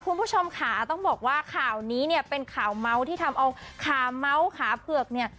คุณผู้ชมค่ะต้องบอกว่าข่าวนี้เนี่ยเป็นข่าวเมาส์ที่ทำเอาขาเมาส์ขาเผือกเนี่ย